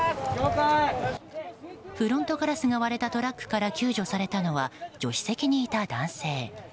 フロントガラスが割れたトラックから救助されたのは助手席にいた男性。